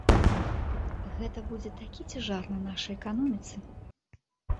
Гэта будзе такі цяжар на нашай эканоміцы.